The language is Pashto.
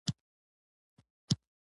تفریح د ذهن او بدن لپاره ګټور دی.